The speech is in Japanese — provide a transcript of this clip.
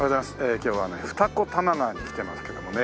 今日はね二子玉川に来てますけどもね。